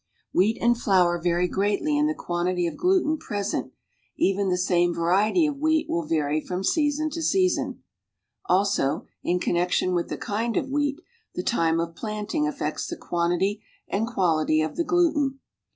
Wheat and flour vary greatly in the quantity of gluten present even the same variety of wheat will vary fnnn season to season. .\lso, in ojnnection with the kintl of wheat, the time of planting affects the quantity and quality of the gluten.